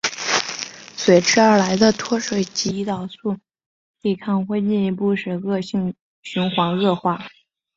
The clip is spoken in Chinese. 随之而来的脱水及胰岛素抵抗会进一步使恶性循环恶化。